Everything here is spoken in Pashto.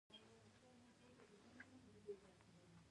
د تخار په رستاق کې د قیمتي ډبرو نښې دي.